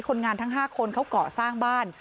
คนงานทั้ง๕คนเขาก่อสร้างบ้าน